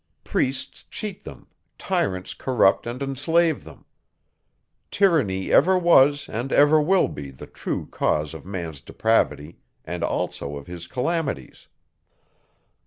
Priests cheat them, tyrants corrupt and enslave them. Tyranny ever was, and ever will be, the true cause of man's depravity, and also of his calamities.